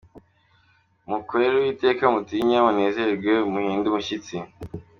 Mukorere Uwiteka mutinya, Munezerwe muhinde imishyitsi